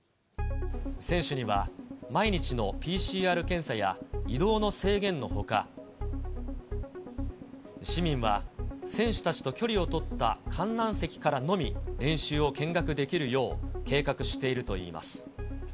選手には、毎日のＰＣＲ検査や移動の制限のほか、市民は選手たちと距離を取った観覧席からのみ練習を見学できるよう計画しているといいます。